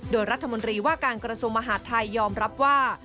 โดยรัฐมนตรีว่าการกระทรวงมหาดไทยยอมรับว่า